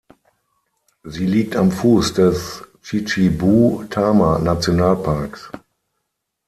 Sie liegt am Fuß des Chichibu-Tama-Nationalparks.